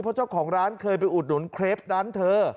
เพราะเจ้าของร้านเคยไปอุดหนุนเครปร้านเธอ